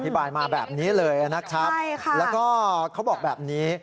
อธิบายมาแบบนี้เลยแล้วก็เขาบอกแบบนี้